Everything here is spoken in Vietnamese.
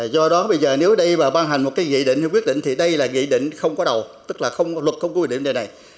do đó bây giờ nếu đây bàn hành một cái nghị định hay quyết định thì đây là nghị định không có đầu tức là không có luật không có quy định về này